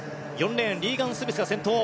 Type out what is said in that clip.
４レーンリーガン・スミスが先頭。